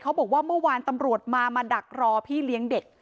เขาบอกว่าเมื่อวานตำรับมาดักรอพี่เลี้ยงเด็ก